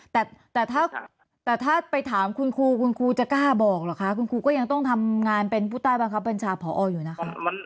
แต่ถ้าไปถามคุณครูคุณครูจะกล้าบอกเหรอคะคุณครูก็ยังต้องทำงานเป็นผู้ใต้บังคับบัญชาผออยู่นะคะ